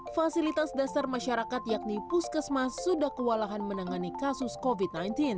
fasilitas dasar masyarakat yakni puskesmas sudah kewalahan menangani kasus covid sembilan belas